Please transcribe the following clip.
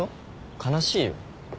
悲しいよ。